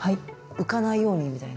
浮かないようにみたいな？